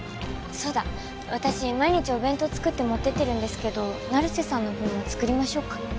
そうだ私毎日お弁当作って持ってってるんですけど成瀬さんの分も作りましょうか？